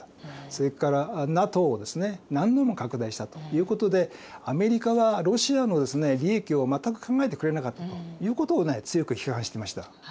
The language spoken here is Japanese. それからＮＡＴＯを何度も拡大したということでアメリカはロシアの利益を全く考えてくれなかったということを強く批判してました。